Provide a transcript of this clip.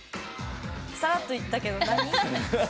さらっと言ったけど何？